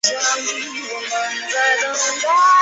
自由民主党籍。